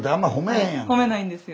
褒めないんですよ。